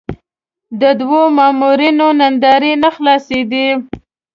د دوو مامورینو ناندرۍ نه خلاصېدې.